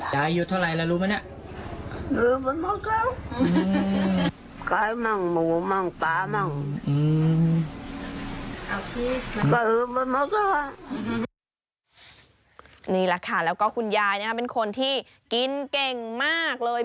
นี่แหละค่ะแล้วก็คุณยายเป็นคนที่กินเก่งมากเลย